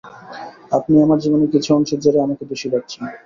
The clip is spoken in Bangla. আপনি আমার জীবনের কিছু অংশের জেরে আমাকে দোষী ভাবছেন।